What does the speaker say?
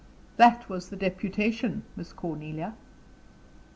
"That was the deputation, Miss Cornelia."